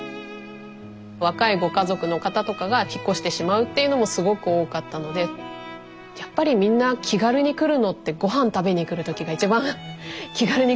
若いご家族の方とかが引っ越してしまうっていうのもすごく多かったのでやっぱりみんな気軽に来るのってごはん食べに来る時が一番気軽に来るなと思って。